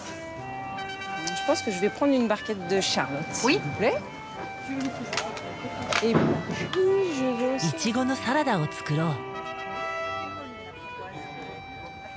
イチゴのサラダを作ろう。